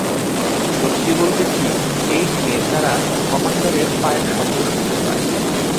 সত্যি বলতে কি, এই দিনে তারা কমান্ডারের পায়ের শব্দ শুনতে পায়।